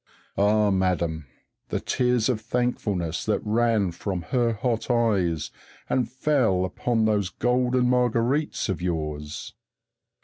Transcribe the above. Ah, madam, the tears of thankfulness that ran from her hot eyes and fell upon those golden marguerites of yours!